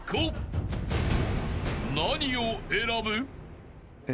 ［何を選ぶ？］